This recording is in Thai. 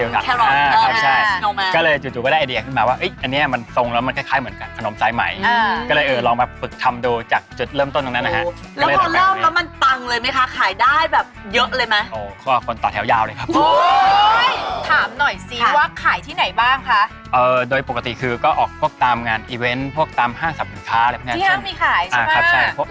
อย่างมีขายใช่ไหมอ่าครับใช่พอแถมครับตอนนี้คุณลูกนั่งดิ้นอยู่หน้าจอเนี้ยคนแม่หนูจะเอาหนูจะตามแต่ต้องตาม